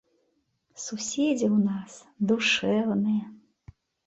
Суседзі ў нас душэўныя.